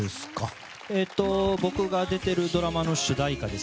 僕が出ているドラマの主題歌です。